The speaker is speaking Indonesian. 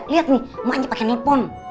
liat nih emang aja pake nelfon